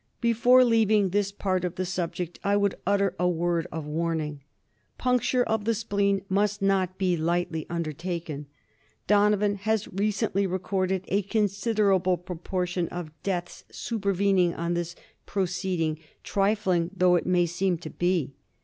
Before leaving this part of the subject I would utter a word of warning. Puncture of the spleen must not be lightly undertaken. Donovan has recently recorded a considerable proportion of deaths supervening on this pro ceeding, trifling though it may seem to be.